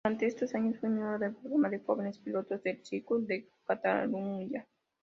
Durante estos años fue miembro del Programa de Jóvenes Pilotos del Circuit de Catalunya.